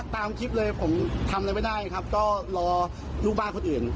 ตามคลิปเลยผมทำอะไรไม่ได้ครับก็รอลูกบ้านคนอื่น